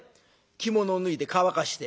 着物を脱いで乾かして。